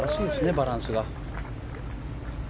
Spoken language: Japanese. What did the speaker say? バランスが。